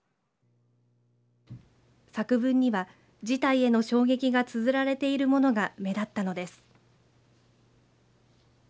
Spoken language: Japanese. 作文には事態への衝撃がつづられているものが目立ったのです。